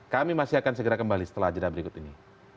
kami masih akan segera kembali setelah jeda berikut ini